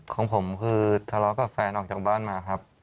ของผมคือทะเลาะกับแฟนออกจากบ้านมาครับ